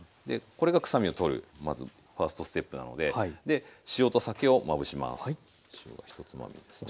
これが臭みを取るまずファーストステップなので塩と酒をまぶします。